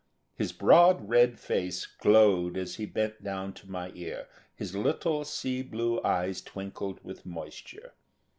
His broad, red face glowed as he bent down to my ear, his little sea blue eyes twinkled with moisture.